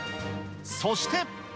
そして。